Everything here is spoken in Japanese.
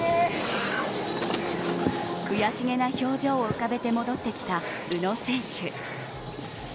悔しげな表情を浮かべて戻ってきた宇野選手。